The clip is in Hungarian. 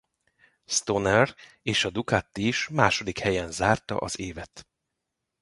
Stoner és a Ducati is a második helyen zárta az évet.